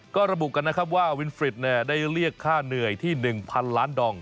ก็ระบุกันนะครับว่าวินฟริตได้เรียกค่าเหนื่อยที่๑๐๐๐ล้านดอง